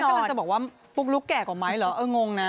กำลังจะบอกว่าปุ๊กลุ๊กแก่กว่าไหมเหรอเอองงนะ